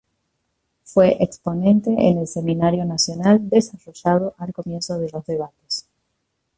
Fue exponente en el Seminario Nacional desarrollado al comienzo de los debates.